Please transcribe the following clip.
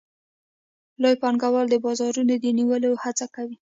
لوی پانګوال د بازارونو د نیولو هڅه کوي